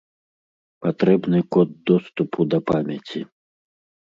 Патрэбны код доступу да памяці.